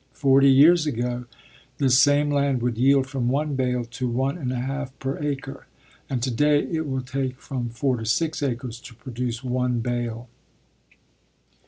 Forty years ago, this same land would yield from one bale to one and a half per acre. And today it will take from four to six acres to produce one bale.